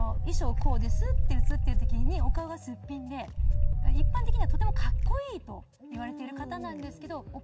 こうですって写ってる時にお顔がすっぴんで一般的にはとてもかっこいいと言われてる方なんですけどお顔